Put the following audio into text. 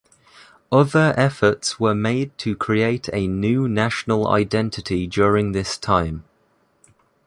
Other efforts were made to create a new national identity during this time.